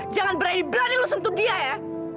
jangan berani berani lo sentuh dia ya